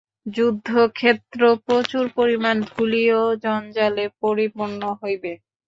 যুদ্ধক্ষেত্র প্রচুর পরিমাণ ধূলি ও জঞ্জালে পূর্ণ হইবে।